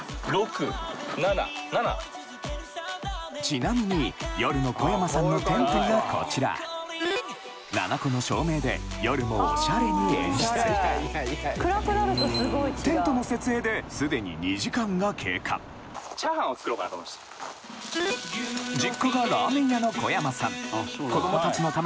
ちなみに夜の小山さんのテントがこちらテントの設営ですでに２時間が経過実家がラーメン屋の小山さん